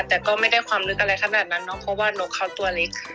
แต่ก็ไม่ได้ความลึกอะไรขนาดนั้นเนาะเพราะว่านกเขาตัวเล็ก